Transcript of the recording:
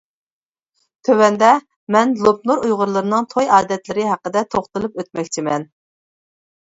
تۆۋەندە مەن لوپنۇر ئۇيغۇرلىرىنىڭ توي ئادەتلىرى ھەققىدە توختىلىپ ئۆتمەكچىمەن.